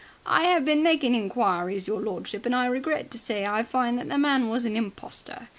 I have been making inquiries, your lordship, and I regret to say I find that the man was a impostor.